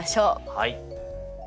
はい。